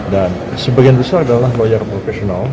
dan sebagian besar adalah lawyer profesional